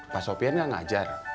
pak sofian gak ngajar